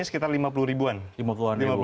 untuk kisaran harganya sekitar lima puluh ribuan